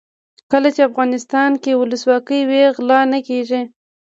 کله چې افغانستان کې ولسواکي وي غلا نه کیږي.